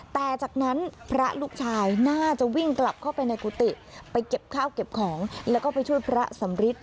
แต่จากนั้นพระลูกชายน่าจะวิ่งกลับเข้าไปในกุฏิไปเก็บข้าวเก็บของแล้วก็ไปช่วยพระสำริท